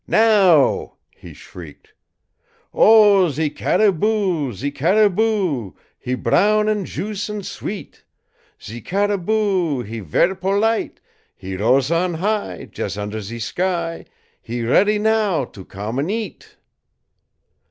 "Now!" he shrieked. "Oh, ze cariboo oo oo, ze cariboo oo oo, He brown 'n' juice 'n' sweet! Ze cariboo oo oo, he ver' polite He roas' on high, Jes' under ze sky, He ready now to come 'n' eat!"